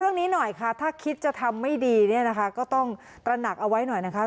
เรื่องนี้หน่อยค่ะถ้าคิดจะทำไม่ดีเนี่ยนะคะก็ต้องตระหนักเอาไว้หน่อยนะคะ